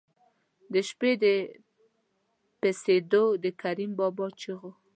د شپې د پسېدو د کریم بابا چغو.